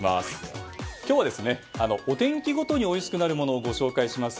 今日はお天気ごとにおいしくなるものをご紹介します